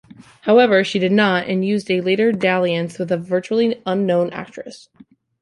However, she did not, and used a later dalliance with a virtually unknown actress.